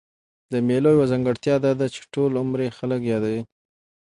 د مېلو یوه ځانګړتیا دا ده، چي ټول عمر ئې خلک يادوي.